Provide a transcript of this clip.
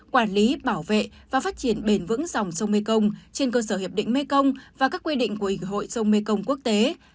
quản lý bảo vệ và phát triển bền vững dòng sông mekong trên cơ sở hiệp định mekong và các quy định của ủy hội sông mekong quốc tế